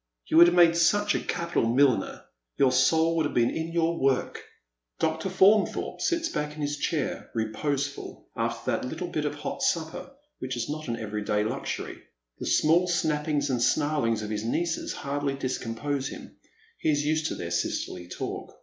" You would have made such a capital milliner. Your soul would have been in your work." Dr. Faunthorpe sits back in his chair, reposeful, after that little bit of hot supper, which is not an every day luxury. The small snappings and snarlings of his nieces hardly discompose him, he is 80 used to their sisterly talk.